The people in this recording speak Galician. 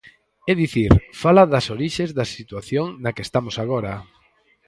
É dicir, fala das orixes da situación na que estamos agora.